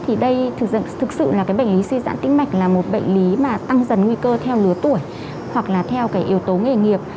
thì đây thực sự thực sự là cái bệnh lý suy giãn tích mạch là một bệnh lý mà tăng dần nguy cơ theo lứa tuổi hoặc là theo cái yếu tố nghề nghiệp